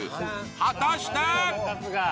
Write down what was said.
果たして。